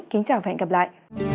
kính chào và hẹn gặp lại